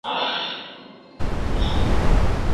چي څوک روژه خوري ورته ګوري دوږخونه عذاب